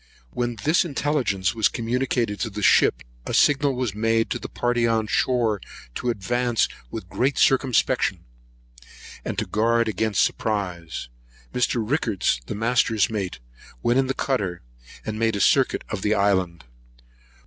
When this intelligence was communicated to the ship, a signal was made to the party on shore to advance with great circumspection, and to guard against surprise. Mr. Rickards, the master's mate, went in the cutter, and made a circuit of the island.